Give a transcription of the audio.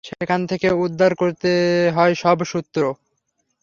সেখান থেকে উদ্ধার করতে হয় সব সূত্র।